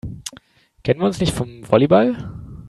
Kennen wir uns nicht vom Volleyball?